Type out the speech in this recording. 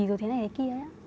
rồi thế này thế kia